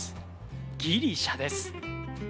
ギリシャです。